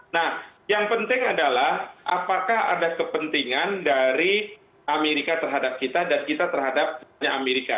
nah yang penting adalah apakah ada kepentingan dari amerika terhadap kita dan kita terhadap amerika